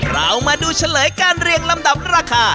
เรามาดูเฉลยการเรียงลำดับราคา